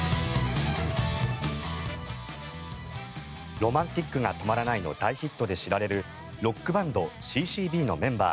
「Ｒｏｍａｎｔｉｃが止まらない」の大ヒットで知られるロックバンドＣ−Ｃ−Ｂのメンバー